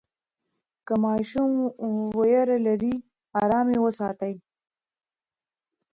که ماشوم ویره لري، آرام یې وساتئ.